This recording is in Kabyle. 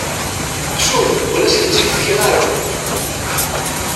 Ttuɣ, ur asent-tt-in-fkiɣ ara.